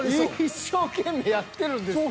一生懸命やってるんです。